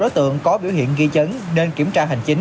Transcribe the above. với nội dung ba tượng có biểu hiện ghi chấn nên kiểm tra hành chính